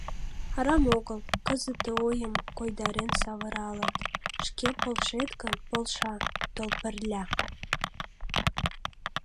Арам огыл, кызыт ты ойым койдарен савыралыт: «Шке полшет гын, полша, тол пырля!»